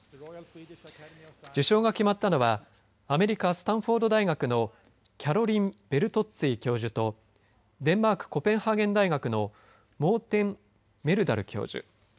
受賞が決まったのはアメリカ、スタンフォード大学のキャロリン・ベルトッツィ教授とデンマークコペンハーゲン大学のモーテン・メルダル教授